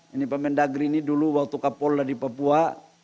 ini pak mendagri ini dulu waktu kapolda di papua